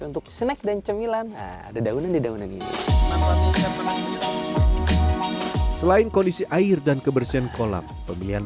untuk snack dan cemilan ada daunan dedaunan ini manfaatnya selain kondisi air dan kebersihan kolam pemilihan